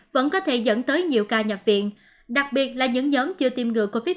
vẫn có thể dẫn tới nhiều ca nhập viện đặc biệt là những nhóm chưa tiêm ngừa covid một mươi